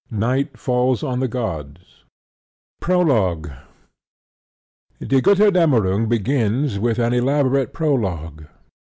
NIGHT FALLS ON THE GODS PROLOGUE Die Gotterdammerung begins with an elaborate prologue.